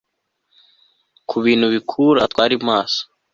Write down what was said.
Ku bintu bikura twari maso